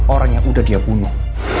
orang yang udah dia bunuh